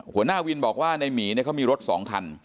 หัวหน้าวินบอกว่าในหมีเนี่ยเขามีรถ๒คัน